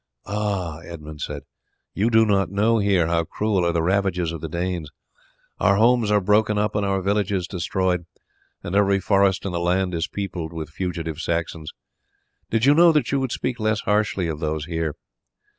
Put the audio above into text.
"Ah!" Edmund said, "you do not know here how cruel are the ravages of the Danes; our homes are broken up and our villages destroyed, and every forest in the land is peopled with fugitive Saxons. Did you know that you would speak less harshly of those here.